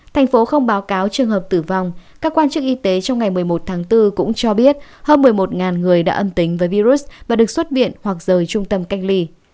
thành phố không báo cáo trường hợp tử vong các quan chức y tế trong ngày một mươi một tháng bốn cũng cho biết hơn một mươi một người đã âm tính với virus và được xuất viện hoặc rời trung tâm cách ly